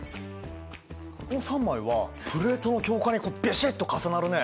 この３枚はプレートの境界にビシッと重なるね。